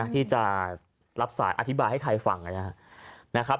ที่จะรับสายอธิบายให้ใครฟังนะครับ